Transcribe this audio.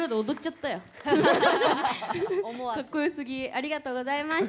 ありがとうございます。